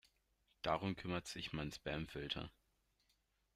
Darum kümmert sich mein Spamfilter.